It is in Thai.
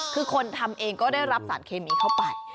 คือคนทำเองก็ได้รับสารเคมีเข้าไป